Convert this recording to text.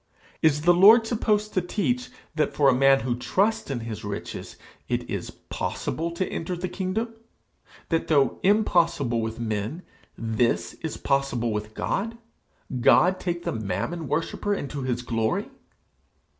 Is the Lord supposed to teach that for a man who trusts in his riches it is possible to enter the kingdom? that, though impossible with men, this is possible with God? God take the Mammon worshipper into his glory!